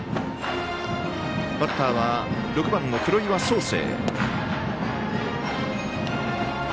バッターは６番の黒岩宗征。